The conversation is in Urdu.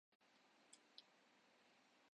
ماضی میں چونکہ ریاست کا کوئی آئین نہیں ہوتا تھا۔